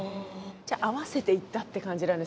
じゃあ合わせて行ったって感じなんですね。